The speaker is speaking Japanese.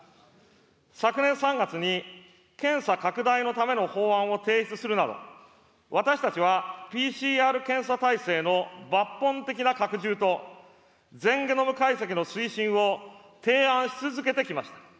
昨年３月に、検査拡大のための法案を提出するなど、私たちはＰＣＲ検査体制の抜本的な拡充と、全ゲノム解析の推進を提案し続けてきました。